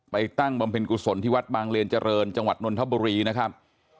ไปตั้งบำเพินกุศลที่บางเยอนจรรย์จังหวัดนทบรีนะครับ